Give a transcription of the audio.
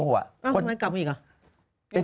อ้าวทำไมกลับอีกอ่ะ